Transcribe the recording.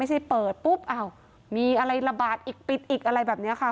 ไม่ใช่เปิดปุ๊บมีอะไรระบาดอีกปิดอีกอะไรแบบนี้ค่ะ